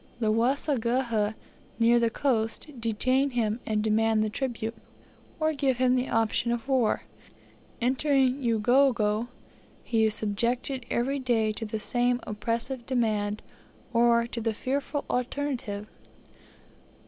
The Waseguhha, near the coast, detain him, and demand the tribute, or give him the option of war; entering Ugogo, he is subjected every day to the same oppressive demand, or to the fearful alternative.